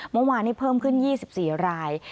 เมื่อวานนี้เพิ่มขึ้น๒๔ราย